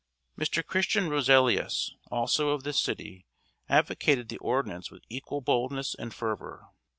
Mr. Christian Roselius, also of this city, advocated the ordinance with equal boldness and fervor.